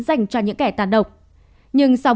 dành cho những kẻ tàn độc nhưng sau